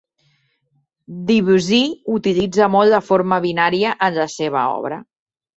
Debussy utilitza molt la forma binària en la seva obra.